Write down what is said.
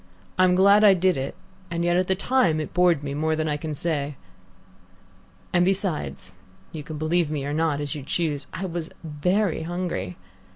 I'm glad I did it, and yet at the time it bored me more than I can say. And besides you can believe me or not as you choose I was very hungry.